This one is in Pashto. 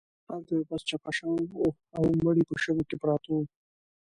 هلته یو بس چپه شوی و او مړي په شګو کې پراته وو.